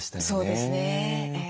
そうですね。